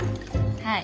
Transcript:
はい。